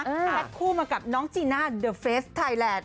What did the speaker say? แพทย์คู่มากับน้องจีน่าเดอะเฟสต์ไทยแลนด์